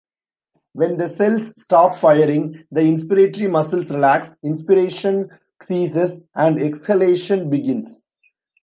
When the cells stop firing, the inspiratory muscles relax, inspiration ceases, and exhalation begins.